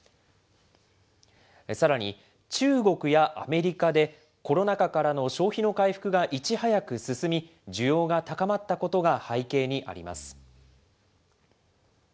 さらに、中国やアメリカで、コロナ禍からの消費の回復がいち早く進み、需要が高まったことが背景にあります。